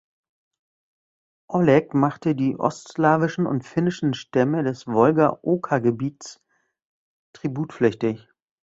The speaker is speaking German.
Oleg machte die ostslawischen und finnischen Stämme des Wolga-Oka-Gebietes tributpflichtig.